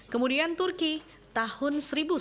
kemudian turki tahun seribu sembilan ratus sembilan puluh